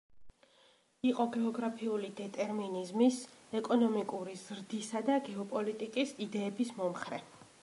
იყო გეოგრაფიული დეტერმინიზმის, ეკონომიკური ზრდისა და გეოპოლიტიკის იდეების მომხრე.